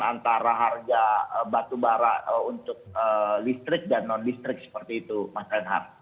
antara harga batubara untuk listrik dan non listrik seperti itu mas reinhardt